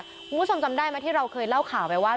คุณผู้ชมจำได้ไหมที่เราเคยเล่าข่าวไปว่า